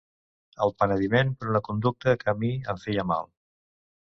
El penediment per una conducta que a mi em feia mal.